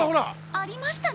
ありましたね！